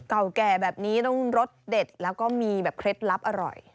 เก่าแก่แบบนี้ต้องรสเด็ดแล้วก็มีแบบเคล็ดลับอร่อย